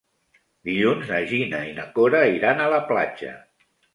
Dilluns na Gina i na Cora iran a la platja.